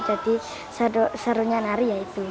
jadi serunya nari ya itu